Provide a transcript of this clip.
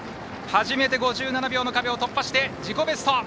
初めて５７秒の壁を突破して自己ベスト。